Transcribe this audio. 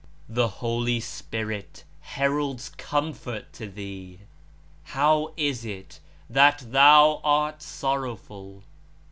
The Holy Spirit heralds comfort to thee. How is it that thou art sorrowful?